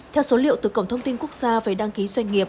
theo số liệu từ cổng thông tin quốc gia về đăng ký doanh nghiệp